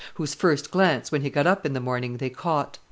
whose first glance, when he got up in the morning, they caught.